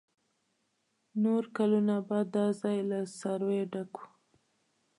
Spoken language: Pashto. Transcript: نور کلونه به دا ځای له څارویو ډک و.